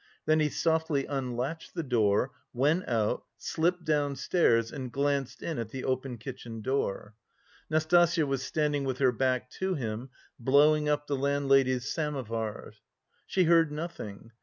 Then he softly unlatched the door, went out, slipped downstairs and glanced in at the open kitchen door. Nastasya was standing with her back to him, blowing up the landlady's samovar. She heard nothing.